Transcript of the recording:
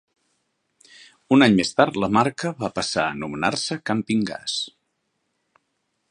Un any més tard, la marca va passar a anomenar-se Campingaz.